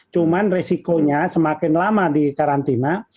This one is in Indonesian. cuma resikonya semakin lama di karantina